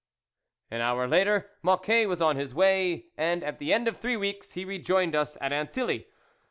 An hour later Mocquet was on his way, and, at the end of three weeks, he rejoined us at Antilly.